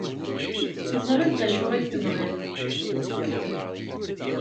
Teẓrid d acu ay tebɣid.